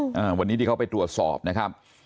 อ่าวันนี้ที่เขาไปตรวจสอบนะครับ